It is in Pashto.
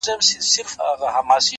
o له شپږو مياشتو څه درد ؛درد يمه زه؛